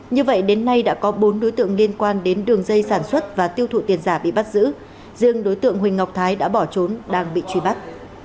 như vậy đến nay đã có bốn đối tượng liên quan đến đường dây sản xuất và tiêu thụ tiền giả bị bắt giữ riêng đối tượng huỳnh ngọc thái đã bỏ trốn đang bị truy bắt